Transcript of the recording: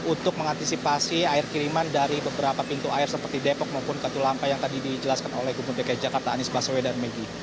untuk mengantisipasi air kiriman dari beberapa pintu air seperti depok maupun katulampa yang tadi dijelaskan oleh gubernur dki jakarta anies baswedan megi